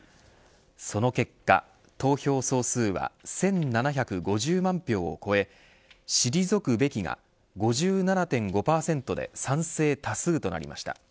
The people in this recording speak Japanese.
その結果、投票総数は１７５０万票を超え退くべきが５７．５％で賛成多数となりました。